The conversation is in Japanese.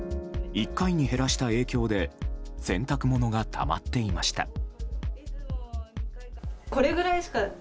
１回に減らした影響で洗濯物がたまっていました。